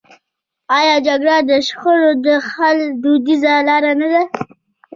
آیا جرګه د شخړو د حل دودیزه لاره نه ده؟